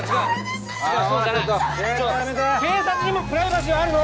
警察にもプライバシーはあるの！